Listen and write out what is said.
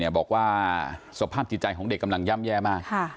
บอกว่าสภาพจิตใจของเด็กกำลังย่ำแย่มาก